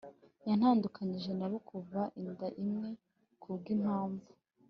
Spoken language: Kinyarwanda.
Yantandukanije n abo tuva inda imwe kubwi mpamvu